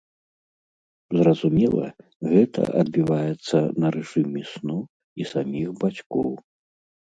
Зразумела, гэта адбіваецца на рэжыме сну і саміх бацькоў.